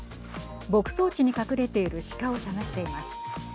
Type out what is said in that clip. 牧草地に隠れているシカを探しています。